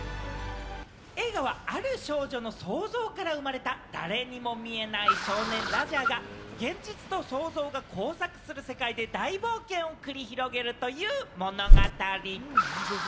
映画はある少女の想像から生まれた、誰にも見えない少年・ラジャーが現実と想像が交錯する世界で大冒険を繰り広げるという物語。